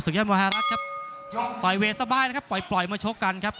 สุขย้ำมหารักษ์ครับต่อยเวสสบายนะครับปล่อยมาโชคกันครับ